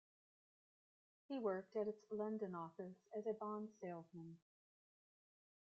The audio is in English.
He worked at its London office as a bond salesman.